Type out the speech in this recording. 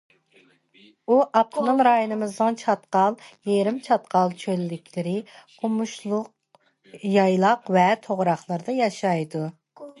ئۇ ئاپتونوم رايونىمىزنىڭ چاتقال، يېرىم چاتقال چۆللۈكلىرى، قومۇشلۇق يايلاقلار ۋە توغراقلىقلاردا ياشايدۇ.